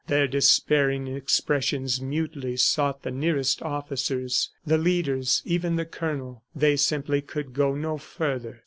... Their despairing expressions mutely sought the nearest officers, the leaders, even the colonel. They simply could go no further!